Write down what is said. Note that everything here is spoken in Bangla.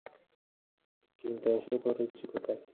কিন্তু এসে পড়েছি কোথায়?